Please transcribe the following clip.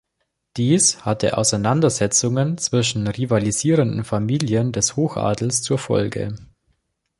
Dies hatte Auseinandersetzungen zwischen rivalisierenden Familien des Hochadels zur Folge.